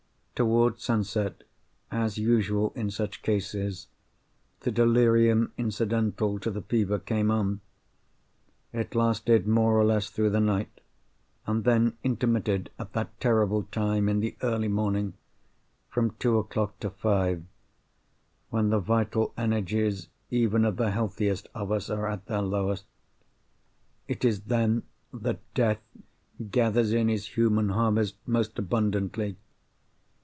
Towards sunset, as usual in such cases, the delirium incidental to the fever came on. It lasted more or less through the night; and then intermitted, at that terrible time in the early morning—from two o'clock to five—when the vital energies even of the healthiest of us are at their lowest. It is then that Death gathers in his human harvest most abundantly.